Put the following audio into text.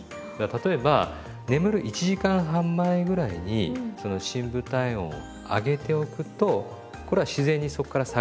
例えば眠る１時間半前ぐらいにその深部体温を上げておくとこれは自然にそこから下がってくるんです。